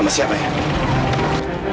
sama siapa ya